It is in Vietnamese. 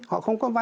họ không công khai